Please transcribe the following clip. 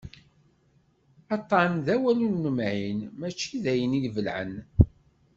Aṭṭan d awal ur nemɛin mačči d ayen i ibelɛen.